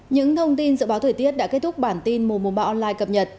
những thông tin dự báo thời tiết đã kết thúc bản tin mùa mùa ba online cập nhật